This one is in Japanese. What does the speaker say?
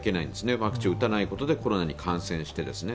ワクチンを打たないことでコロナに感染してですね。